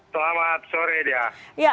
selamat sore dia